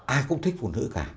ai cũng thích phụ nữ cả